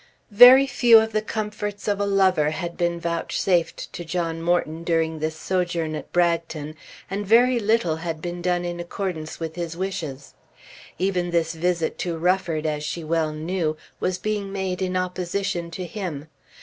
Very few of the comforts of a lover had been vouchsafed to John Morton during this sojourn at Bragton and very little had been done in accordance with his wishes. Even this visit to Rufford, as she well knew, was being made in opposition to him.